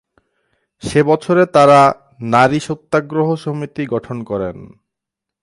সে বছরে তারা 'নারী সত্যাগ্রহ সমিতি' গঠন করেন।